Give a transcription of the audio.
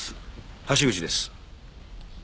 橋口です。